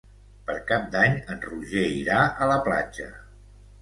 Per Cap d'Any en Roger irà a la platja.